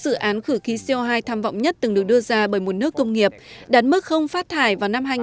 năng lượng tham vọng nhất từng được đưa ra bởi một nước công nghiệp đạt mức không phát thải vào